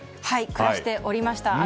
暮らしておりました。